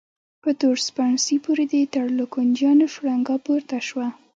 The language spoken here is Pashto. په تور سپڼسي پورې د تړلو کونجيانو شرنګا پورته شوه.